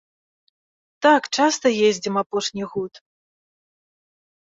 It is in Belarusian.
Так, часта ездзім апошні год.